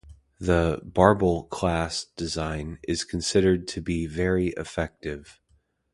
The "Barbel" class' design is considered to be very effective.